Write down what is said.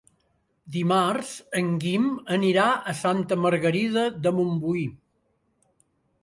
Dimarts en Guim anirà a Santa Margarida de Montbui.